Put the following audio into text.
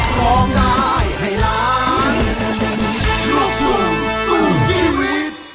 ตีมือ